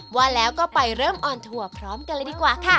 ว่าแล้วก็ไปเริ่มออนทัวร์พร้อมกันเลยดีกว่าค่ะ